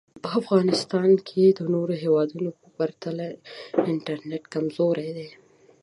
په افغانیستان کې د نورو هېوادونو پرتله انټرنټ کمزوری دی